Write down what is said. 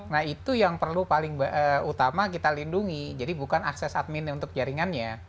nah itu yang perlu paling utama kita lindungi jadi bukan akses admin untuk jaringannya